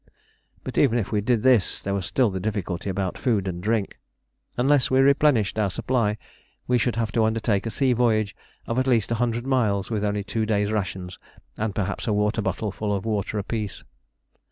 But even if we did this there was still the difficulty about food and drink. Unless we replenished our supply we should have to undertake a sea voyage of at least a hundred miles with only two days' rations and perhaps a water bottle full of water apiece.